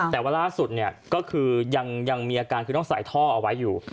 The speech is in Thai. แต่ว่าล่าสุดเนี่ยก็คือยังมีอาการคือต้องใส่ท่อเอาไว้อยู่